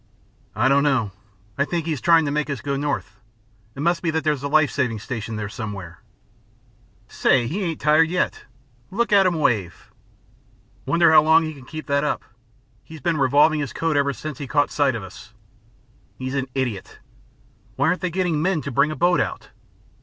"I don't know. I think he is trying to make us go north. It must be that there's a life saving station there somewhere." "Say, he ain't tired yet. Look at 'im wave." "Wonder how long he can keep that up. He's been revolving his coat ever since he caught sight of us. He's an idiot. Why aren't they getting men to bring a boat out?